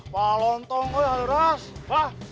palontong ya hadirah